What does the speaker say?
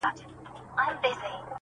جګړه نښتې په سپین سبا ده٫